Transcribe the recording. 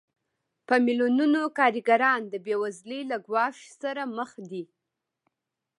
په میلیونونو کارګران د بېوزلۍ له ګواښ سره مخ دي